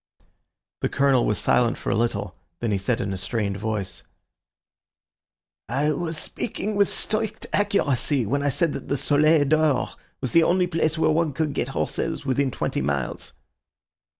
The Colonel was silent for a little, then he said in a strained voice— "I was speaking with strict accuracy when I said that the 'Soleil d'Or' was the only place where one can get horses within twenty miles."